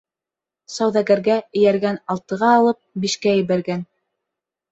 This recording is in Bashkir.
Сауҙәгәргә эйәргән алтыға алып, бишкә ебәргән.